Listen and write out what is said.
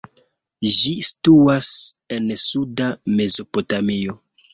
Ĝi situas en suda Mezopotamio.